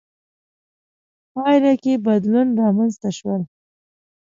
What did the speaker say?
په پایله کې بدلونونه رامنځته شول.